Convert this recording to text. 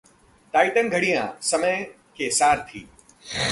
Titan घड़ियांः समय के सारथी